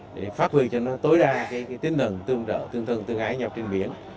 để phát huy cho nó tối đa cái tinh thần tương trợ tương thân tương ái nhau trên biển